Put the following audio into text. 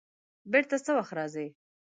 بېرته څه وخت راځې؟